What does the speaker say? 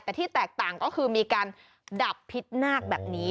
แต่ที่แตกต่างก็คือมีการดับพิษนาคแบบนี้